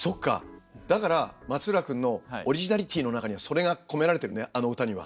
だから松浦君のオリジナリティーの中にはそれが込められてるねあの歌には。